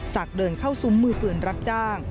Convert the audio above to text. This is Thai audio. ศักดิ์เดินเข้าซุมมือเปลือนรับจ้าง